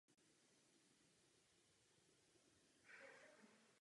Den jeho smrti se v Íránu slaví jako „národní den poezie“.